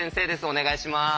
お願いします。